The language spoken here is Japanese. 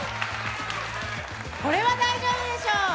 これは大丈夫でしょう。